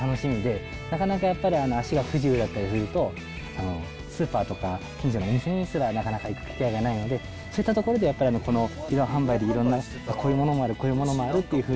すごく楽しみで、なかなかやっぱり足が不自由だったりすると、スーパーとか近所には行く機会がないので、そういったところで、移動販売でこういうものもある、こういうものもあるっていうふう